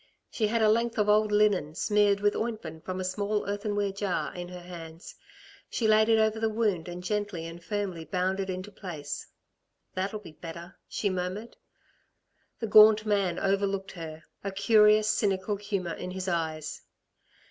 She had a length of old linen, smeared with ointment from a small earthenware jar, in her hands. She laid it over the wound and gently and firmly bound it into place. "That'll be better," she murmured. The gaunt man overlooked her, a curious cynical humour in his eyes.